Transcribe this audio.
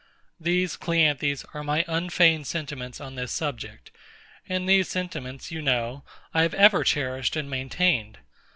These, CLEANTHES, are my unfeigned sentiments on this subject; and these sentiments, you know, I have ever cherished and maintained.